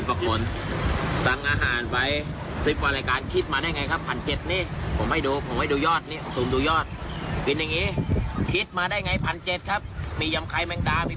เป็นการโพสต์ที่น่าสนใจนะอ่าโดนกลับตัวเองคิดมาได้ยังไง